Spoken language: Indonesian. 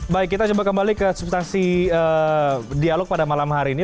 baik kita coba kembali ke substansi dialog pada malam hari ini